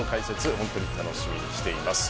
本当に楽しみにしています。